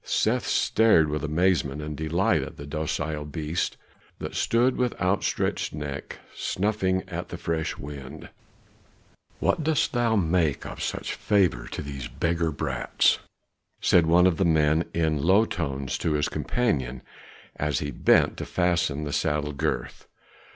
Seth stared with amazement and delight at the docile beast that stood with outstretched neck snuffing at the fresh wind. "What dost thou make of such favor to these beggar brats?" said one of the men in low tones to his companion, as he bent to fasten the saddle girth.